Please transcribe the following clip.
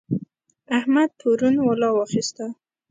احمد پرون ولا واخيسته.